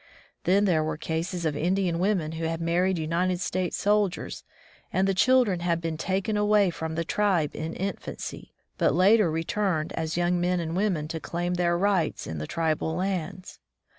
Then there were cases of Indian women who had married United States sol diers and the children had been taken away from the tribe in infancy, but later returned as young men and women to claim their rights in the tribal lands.